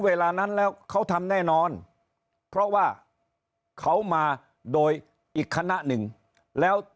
เวลานั้นแล้วเขาทำแน่นอนเพราะว่าเขามาโดยอีกคณะหนึ่งแล้ว